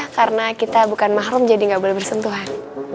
karena kita bukan mahrum jadi gak boleh bersentuhan